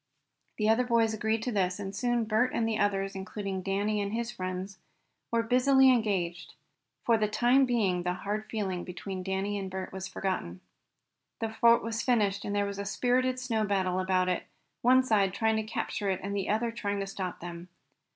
The other boys agreed to this, and soon Bert and the others, including Danny and his friends, were busily engaged. For the time being the hard feeling between Danny and Bert was forgotten. The fort was finished, and there was a spirited snow battle about it, one side trying to capture it and the other trying to stop them.